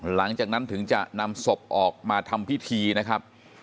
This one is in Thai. หลังจากนั้นถึงจะนำศพออกมาทำพิธีนะครับ